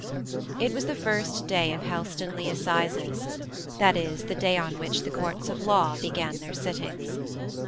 It was the first day of Helstonleigh Assizes; that is, the day on which the courts of law began their sittings.